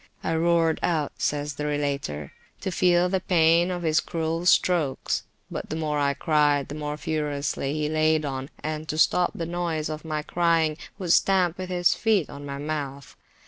I roared out, says the relator, to feel the pain of his cruel strokes, but the more I cried, the more furiously he laid on, and to stop the noise of my crying, would stamp with his feet on my mouth.